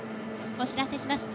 お知らせします。